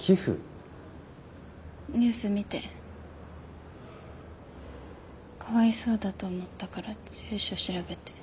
ニュース見てかわいそうだと思ったから住所調べて。